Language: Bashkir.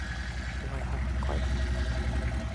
Улайһа, ҡайҙан?